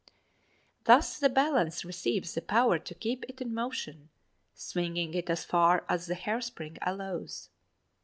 Thus the balance receives the power to keep it in motion, swinging it as far as the hairspring allows.